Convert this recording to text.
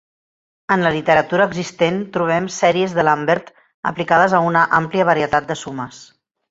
En la literatura existent, trobem "sèries de Lambert" aplicades a una àmplia varietat de sumes.